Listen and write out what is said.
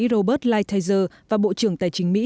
stephen mnuchin và bộ trưởng tài chính mỹ